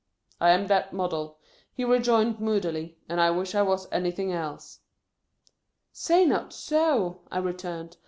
" I am that Model," he rejoined moodily, "and T wish I was anything else." " Say not so," I returned.